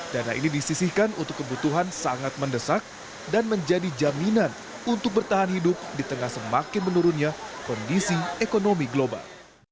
dana ini disisihkan untuk kebutuhan sangat mendesak dan menjadi jaminan untuk bertahan hidup di tengah semakin menurunnya kondisi ekonomi global